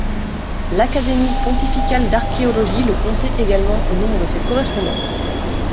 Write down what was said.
L'Académie pontificale d'archéologie le comptait également au nombre de ses correspondants.